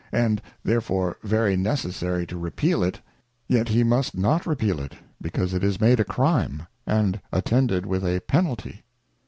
121 and therefore very necessary to repeal it^ yet he must not repeal it, because it is made a Crime, and attended with a Penalty.